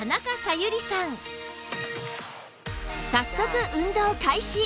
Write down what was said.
早速運動開始！